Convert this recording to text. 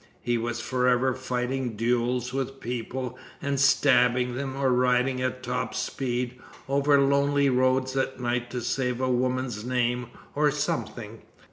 He was forever fighting duels with people and stabbing them, or riding at top speed over lonely roads at night to save a woman's name or something.